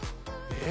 え！